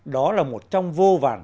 đó là một trong vô vàn